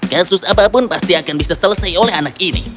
kasus apapun pasti akan bisa selesai oleh anak ini